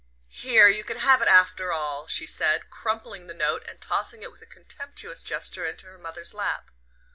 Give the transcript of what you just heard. "Here you can have it after all," she said, crumpling the note and tossing it with a contemptuous gesture into her mother's lap.